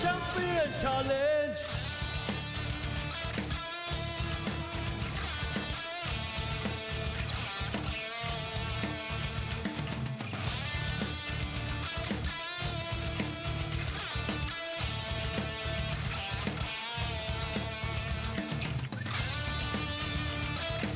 จังหวาดึงซ้ายตายังดีอยู่ครับเพชรมงคล